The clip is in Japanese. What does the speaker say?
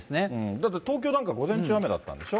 だって、東京なんかは午前中雨だったんでしょ？